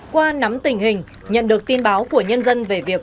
qua nắm tình hình nhận được tin báo của nhân dân về việc